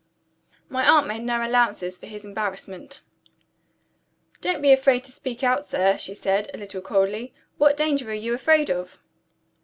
My aunt made no allowances for his embarrassment. "Don't be afraid to speak out, sir," she said, a little coldly. "What danger are you afraid of?"